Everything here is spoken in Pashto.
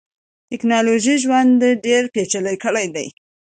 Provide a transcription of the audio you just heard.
ټکنالوژۍ ژوند ډیر پېچلی کړیدی.